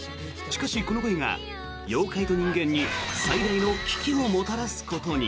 しかし、この恋が妖怪と人間に最大の危機をもたらすことに。